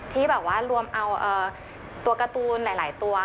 ที่รวมเอาการ์ตูนหลายตัว